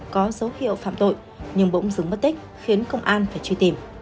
có dấu hiệu phạm tội nhưng bỗng dưng mất tích khiến công an phải truy tìm